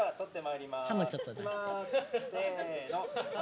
歯もちょっと出して。